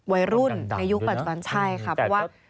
วัยรุ่นในยุคแบบอนสุดัน